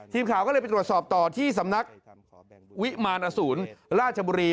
ทีมข่าวก็เลยไปตรวจสอบต่อที่สำนักวิมารอสูรราชบุรี